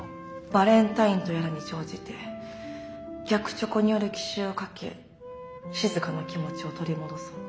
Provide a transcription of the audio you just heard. バレンタインとやらに乗じて逆チョコによる奇襲をかけしずかの気持ちを取り戻そうと。